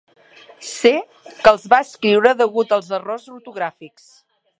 Sé que els va escriure degut als errors ortogràfics.